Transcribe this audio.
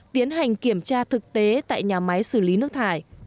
tiến hành kiểm tra thực tế tại nhà máy xử lý nước thải